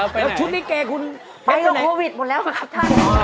ก็ใช่ครับนี่ชุดนี้แกคุณ